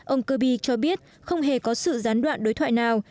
ông kirby cho biết không hề có sự gián đoạn đối thoại nào